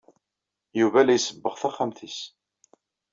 Yuba la isebbeɣ taxxamt-nnes.